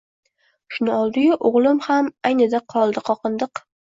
Shuni oldi-yu o‘g‘lim ham aynidi-qoldi, qoqindiq.